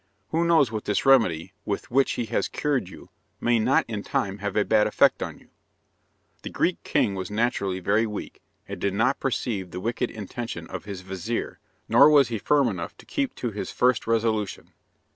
Who knows what this remedy, with which he has cured you, may not in time have a bad effect on you?" The Greek king was naturally very weak, and did not perceive the wicked intention of his vizir, nor was he firm enough to keep to his first resolution.